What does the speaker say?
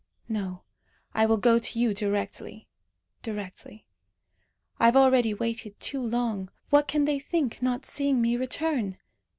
No. I will go to you directly directly. I have already waited too long. What can they think, not seeing me return!